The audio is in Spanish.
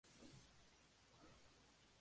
El hombre no existe simplemente como ser físico.